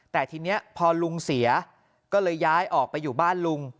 แต่ทีนี้พอลุงเสียก็เลยย้ายออกไปอยู่บ้านลุง